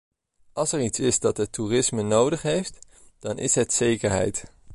Als er iets is dat het toerisme nodig heeft, dan is het zekerheid.